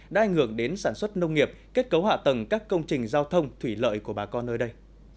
đã ảnh hưởng đến sản xuất nông nghiệp kết cấu hạ tầng các công trình giao thông thủy lợi của bà con nơi đây